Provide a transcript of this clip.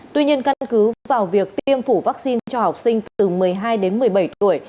tuy nhiên căn cứ vào việc tiêm phủ vaccine cho học sinh từ một mươi hai đến một mươi bảy tuổi